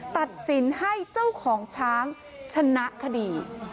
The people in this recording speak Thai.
ตัดสินให้เจ้าของช้างชนะคดี